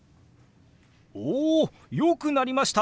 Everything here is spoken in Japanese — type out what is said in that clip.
およくなりました！